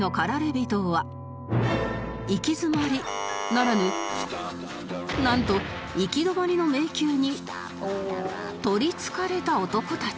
行き詰まりならぬなんと行き止まりの迷宮に取りつかれた男たち